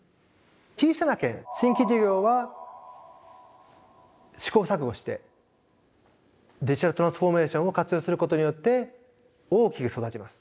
小さな剣新規事業は試行錯誤してデジタルトランスフォーメーションを活用することによって大きく育ちます。